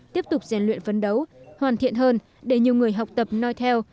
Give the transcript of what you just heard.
tiếp tục rèn luyện phấn đấu hoàn thiện hơn để nhiều người học tập nói theo